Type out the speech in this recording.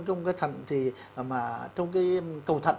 trong cái cầu thận